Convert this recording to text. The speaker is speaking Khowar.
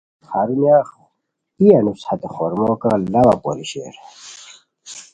ہرونیہ ای انوس ہتے خورمو کان لاوا پوری شیر